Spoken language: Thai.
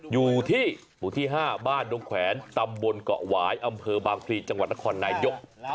อยู่ที่๕บ้านโดงแขวนตำบลเกาะไหว้อำเภอบางฤทจังหวัดนครนายยก